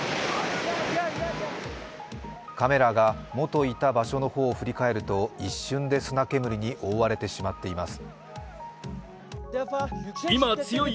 カメラが元いた場所の方を振り返ると、一瞬で砂煙に覆われてしまっています。